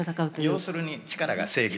要するに「力が正義」。